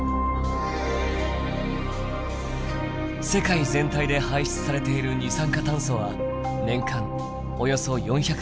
世界全体で排出されている二酸化炭素は年間およそ４００億トン。